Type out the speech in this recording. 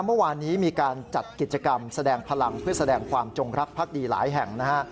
เมื่อวานนี้มีการจัดกิจกรรมแสดงพลังเพื่อแสดงความจงรักภักดีหลายแห่งนะฮะ